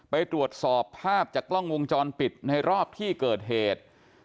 ไปตรวจสอบภาพจากกล้องวงจรปิดในรอบที่เกิดเหตุ